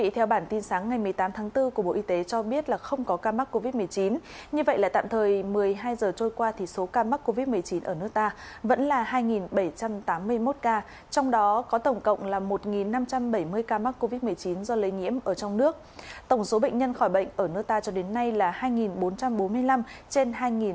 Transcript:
tổng số bệnh nhân khỏi bệnh ở nước ta cho đến nay là hai bốn trăm bốn mươi năm trên hai bảy trăm tám mươi một